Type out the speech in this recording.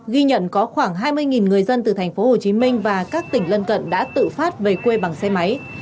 ghi nhận có khoảng hai mươi người dân từ thành phố hồ chí minh và các tỉnh lân cận đã tự phát về quê bằng xe máy